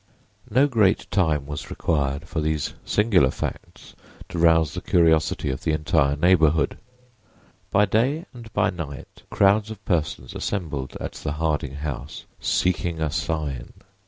No great time was required for these singular facts to rouse the curiosity of the entire neighborhood. By day and by night crowds of persons assembled at the Harding house "seeking a sign."